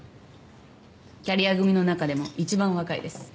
キャリア組の中でも一番若いです。